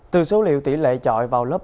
từ số liệu tỷ lệ trọi vào lớp ba